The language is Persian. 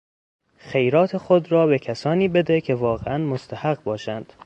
خیرات خود را به کسانی بده که واقعا مستحق باشند.